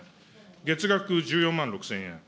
月額１４まん６０００円。